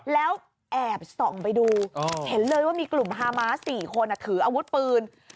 แล้วแอบส่องไปดูเห็นเลยว่ามีกลุ่มฮาม้า๔คนถืออาวุธปืน